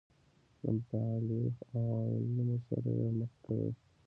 له متعالي عوالمو سره یې مخ کوي.